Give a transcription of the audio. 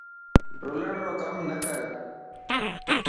رولڻ رو ڪم نه ڪر.